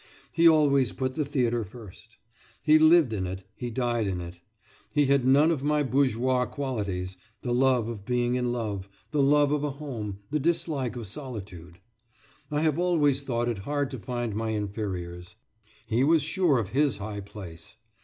He always put the theatre first. He lived in it, he died in it. He had none of my bourgeois qualities the love of being in love, the love of a home, the dislike of solitude. I have always thought it hard to find my inferiors. He was sure of his high place.